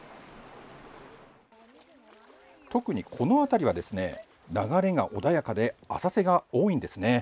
特に、この辺りは流れが穏やかで浅瀬が多いんですね。